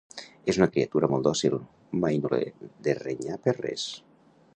És una criatura molt dòcil; mai no l'he de renyar per res!